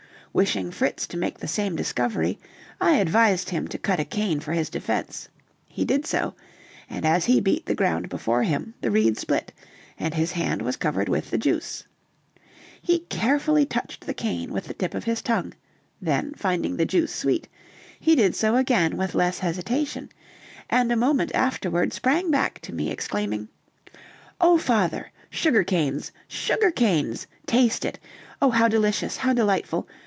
Wishing Fritz to make the same discovery, I advised him to cut a cane for his defense; he did so, and as he beat the ground before him, the reed split, and his hand was covered with the juice. He carefully touched the cane with the tip of his tongue, then, finding the juice sweet, he did so again with less hesitation; and a moment afterward sprang back to me exclaiming: "Oh, father, sugar canes! sugar canes! Taste it. Oh, how delicious, how delightful!